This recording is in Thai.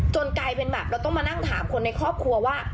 กลายเป็นแบบเราต้องมานั่งถามคนในครอบครัวว่า